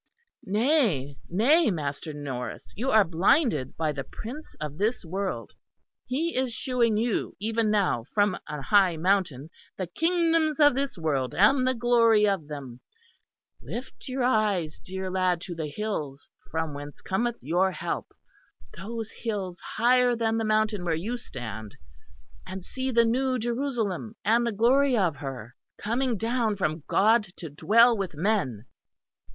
Nay, nay, Master Norris, you are blinded by the Prince of this world. He is shewing you even now from an high mountain the kingdoms of this world and the glory of them: lift your eyes, dear lad, to the hills from whence cometh your help; those hills higher than the mountain where you stand; and see the new Jerusalem, and the glory of her, coming down from God to dwell with men."